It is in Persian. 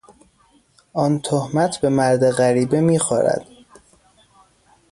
آن تهمت به مرد غریبه میخورد.